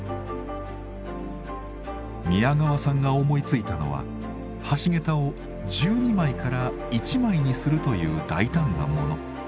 宮川さんが思いついたのは橋桁を１２枚から１枚にするという大胆なもの。